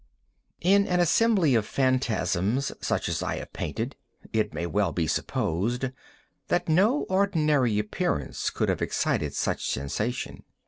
In an assembly of phantasms such as I have painted, it may well be supposed that no ordinary appearance could have excited such sensation.